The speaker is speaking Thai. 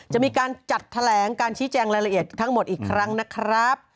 จะมีการจัดแถลงการชี้แจงรายละเอียดทั้งหมดอีกครั้งนะครับ